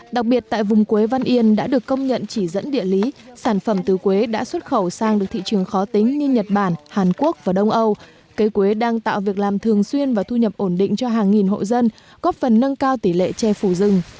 đặc biệt tại vùng quế văn yên đã được công nhận chỉ dẫn địa lý sản phẩm tứ quế đã xuất khẩu sang được thị trường khó tính như nhật bản hàn quốc và đông âu cây quế đang tạo việc làm thường xuyên và thu nhập ổn định cho hàng nghìn hộ dân góp phần nâng cao tỷ lệ che phủ rừng